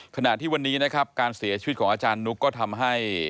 ขณะที่วันนี้นะครับการเสียชีวิตของอาจารย์นุ๊กก็ทำให้